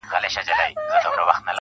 درد چي په دردونو کي راونغاړه_